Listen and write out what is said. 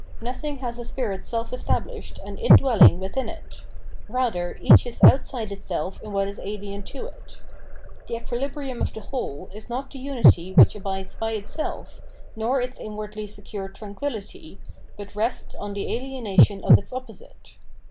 No thing h as a spirit self established and indwelling within it ; rather each is outside itself in what is alien to it. The equilibrium of the whole is not the unity which abides by itself, nor its inwardly secured tranquillity, but rests on the alienation of its opposite.